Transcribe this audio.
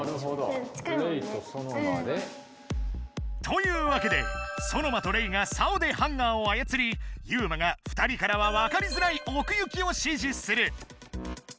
というわけでソノマとレイがさおでハンガーをあやつりユウマが２人からはわかりづらいおくゆきをしじする。